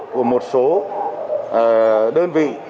của một số đơn vị